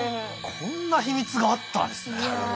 こんな秘密があったんですね。